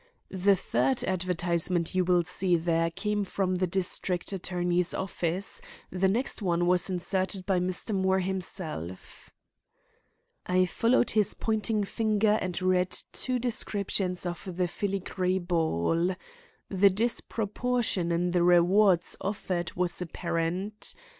"The third advertisement you will see there came from the district attorney's office; the next one was inserted by Mr. Moore himself." I followed his pointing finer and read two descriptions of the filigree ball. The disproportion in the rewards offered was apparent.